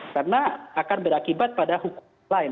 karena akan berakibat pada hukum lain